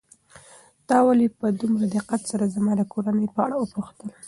تا ولې په دومره دقت سره زما د کورنۍ په اړه وپوښتل؟